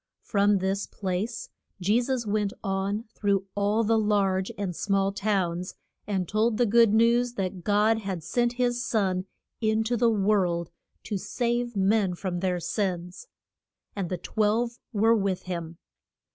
From this place Je sus went on through all the large and small towns, and told the good news that God had sent his Son in to the world to save men from their sins. And the twelve were with him.